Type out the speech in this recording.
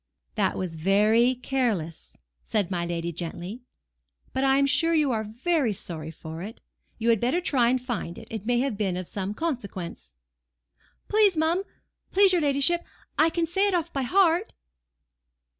"That was very careless," said my lady gently. "But I am sure you are very sorry for it. You had better try and find it; it may have been of consequence. "Please, mum—please your ladyship—I can say it off by heart."